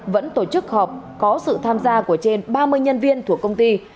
vẫn tổ chức họp có sự tham gia của trên ba mươi nhân viên thuộc công ty